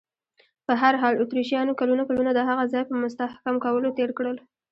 په هر حال، اتریشیانو کلونه کلونه د هغه ځای په مستحکم کولو تېر کړل.